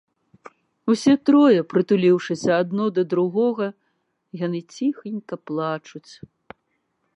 Усе трое, прытулiўшыся адно да другога, яны цiхенька плачуць.